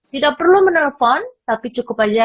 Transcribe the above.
tidak perlu menelpon tapi cukup aja